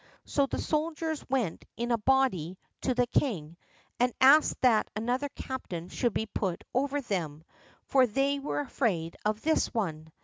So the soldiers went in a body to the king and asked that another captain should be put over them, for they were afraid of this one.